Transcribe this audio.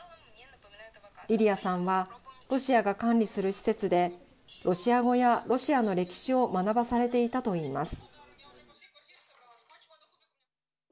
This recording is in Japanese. リリアさんはロシアが管理する施設でロシア語やロシアの歴史を学ばされていたと言います。